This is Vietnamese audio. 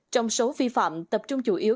trong số vi phạm tập trung chủ yếu